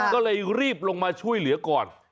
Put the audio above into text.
ก็เลยรีบลงมาช่วยเหลือก่อน